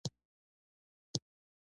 وزې له غره ښکته نه تښتي